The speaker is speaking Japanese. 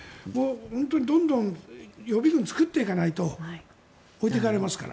本当にどんどん予備軍を作っていかないと置いていかれますから。